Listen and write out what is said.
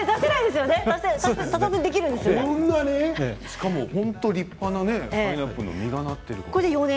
しかも本当に立派なパイナップルの実がなっている。